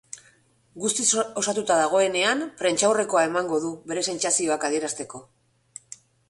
Guztiz osatuta dagoenean prentsaurrekoa emango du bere sentzazioak adierazteko.